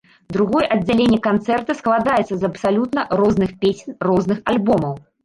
Другое аддзяленне канцэрта складаецца з абсалютна розных песень розных альбомаў.